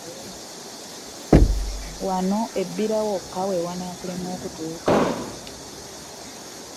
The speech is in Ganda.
Wano e Bbira wokka ne wakulema okutuuka?